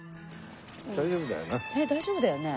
大丈夫だよな？